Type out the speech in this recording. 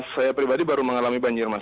saya pribadi baru mengalami banjir mas